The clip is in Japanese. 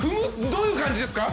どういう感じですか？